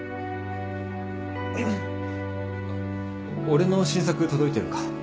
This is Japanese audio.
俺の新作届いてるか？